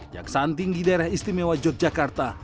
jaksaan tinggi daerah istimewa yogyakarta